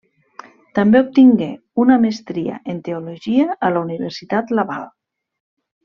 També obtingué una mestria en teologia a la Universitat Laval.